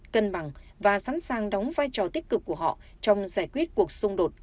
cân bằng và sẵn sàng đóng vai trò tích cực của họ trong giải quyết cuộc xung đột